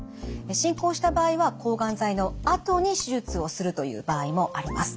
進行した場合は抗がん剤のあとに手術をするという場合もあります。